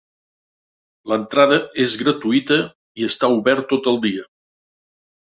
L'entrada és gratuïta i està obert tot el dia.